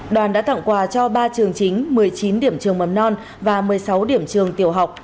đoàn đã tặng quà cho ba trường chính một mươi chín điểm trường mầm non và một mươi sáu điểm trường tiểu học